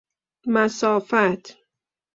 مسافت